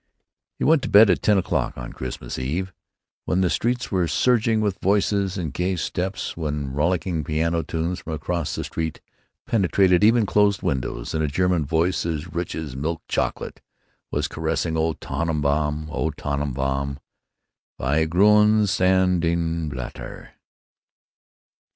He went to bed at ten o'clock—on Christmas Eve, when the streets were surging with voices and gay steps, when rollicking piano tunes from across the street penetrated even closed windows, and a German voice as rich as milk chocolate was caressing, "Oh Tannenbaum, oh Tannenbaum, wie grün sind deine Blätter."...